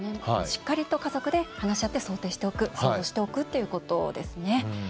しっかりと家族で話し合って、想定しておく想像しておくということですね。